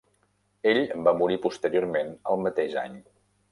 Ell va morir posteriorment el mateix any.